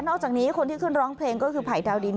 อกจากนี้คนที่ขึ้นร้องเพลงก็คือไผ่ดาวดิน